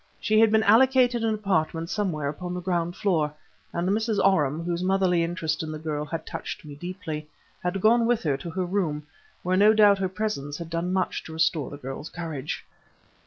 She had been allotted an apartment somewhere upon the ground floor, and Mrs. Oram, whose motherly interest in the girl had touched me deeply, had gone with her to her room, where no doubt her presence had done much to restore the girl's courage.